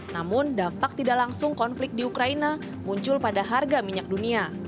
namun dampak tidak langsung konflik di ukraina muncul pada harga minyak dunia